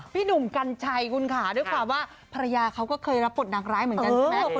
พี่หนุ่มกัญชัยคุณค่ะด้วยความว่าภรรยาเขาก็เคยรับบทนางร้ายเหมือนกันใช่ไหม